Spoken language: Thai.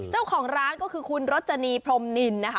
เจ้าของร้านก็คือคุณรจนีพรมนินนะคะ